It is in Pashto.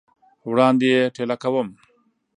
وړاندي یې ټېله کوم !